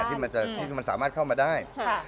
ที่มันสามารถเข้ามาได้